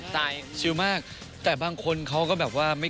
ที่ไหนก็ได้